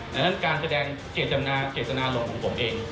ดังนั้นการแสดงเจตนาลมของผมเอง